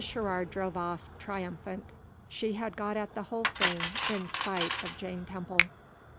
Sherrard drove off, triumphant. She had got at the whole thing, in spite of Jane Temple.